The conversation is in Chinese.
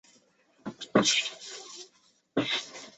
这也是不变质量也被称作静质量的缘故。